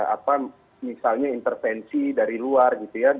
ada misalnya intervensi dari luar